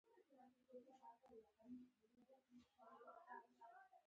دواړو استي شراب راوغوښتل.